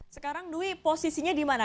sekarang dwi posisinya di mana